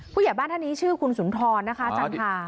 ผู้ใหญ่บ้านท่านนี้ชื่อคุณสุนทรนะคะจันทา